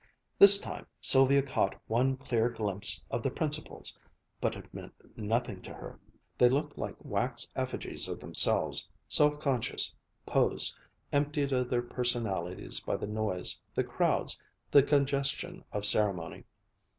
This time Sylvia caught one clear glimpse of the principals, but it meant nothing to her. They looked like wax effigies of themselves, self conscious, posed, emptied of their personalities by the noise, the crowds, the congestion of ceremony.